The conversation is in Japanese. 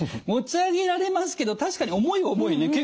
持ち上げられますけど確かに重いは重いね。